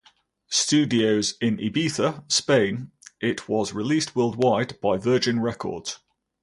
Studios in Ibiza, Spain, it was released worldwide by Virgin Records.